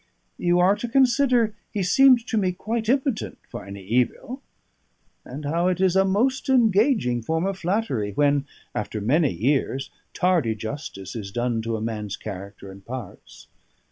You are to consider he seemed to me quite impotent for any evil; and how it is a most engaging form of flattery when (after many years) tardy justice is done to a man's character and parts.